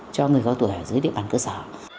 cho người cao tuổi ở dưới địa bàn cơ sở